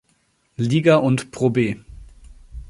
Liga und ProB.